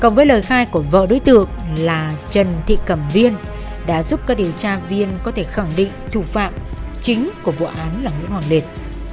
cộng với lời khai của vợ đối tượng là trần thị cẩm viên đã giúp các điều tra viên có thể khẳng định thủ phạm chính của vụ án là nguyễn hoàng liệt